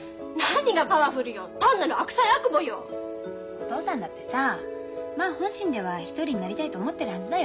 お父さんだってさまあ本心では一人になりたいと思ってるはずだよ。